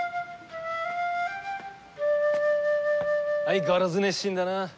相変わらず熱心だな。